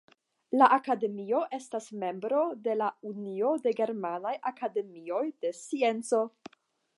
La akademio estas membro de la Unio de Germanaj Akademioj de Scienco.